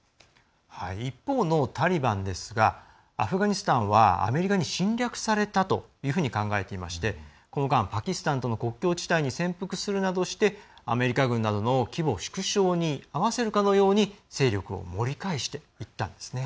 一方のタリバンですがアフガニスタンはアメリカに侵略されたというふうに考えていましてこの間、パキスタンとの国境地帯に潜伏するなどしてアメリカ軍などの規模縮小に合わせるかのように勢力を盛り返していったんです。